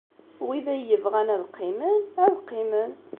Wid ay yebɣan ad qqimen, ad qqimen.